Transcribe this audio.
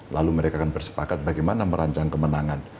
lalu mereka akan bersepakat bagaimana merancang kemenangan